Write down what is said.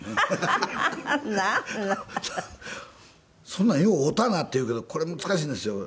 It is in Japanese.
そんなんよう合うたなっていうけどこれ難しいんですよ。